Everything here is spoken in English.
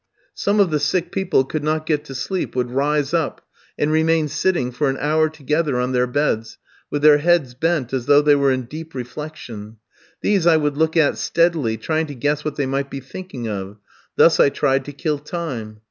Some of the sick people could not get to sleep, would rise up, and remain sitting for an hour together on their beds, with their heads bent, as though they were in deep reflection. These I would look at steadily, trying to guess what they might be thinking of; thus I tried to kill time.